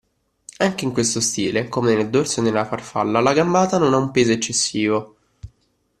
Anche in questo stile, come nel dorso e nella farfalla, la gambata non ha un peso eccessivo.